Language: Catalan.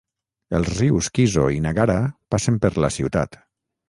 Els rius Kiso i Nagara passen per la ciutat.